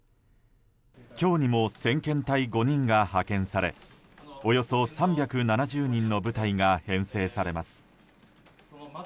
今日にも先遣隊５人が派遣されおよそ３７０人の部隊が編成されます。